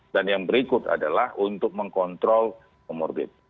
dan yang berikut adalah untuk mengkontrol komorbid